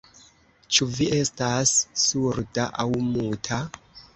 Ĉu vi estas surda aŭ muta?